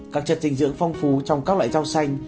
các chất dinh dưỡng phong phú trong các loại rau xanh